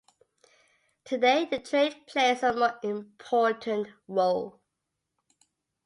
Today the trade plays a more important role.